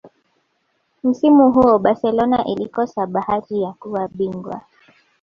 msimu huo barcelona ilikosa bahati ya kuwa bingwa